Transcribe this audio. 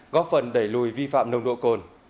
góp phần đẩy lùi vi phạm nồng độ cồn